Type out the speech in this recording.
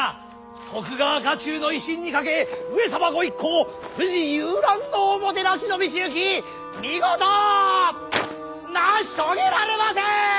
徳川家中の威信にかけ上様御一行を富士遊覧のおもてなしの道行き見事成し遂げられませ！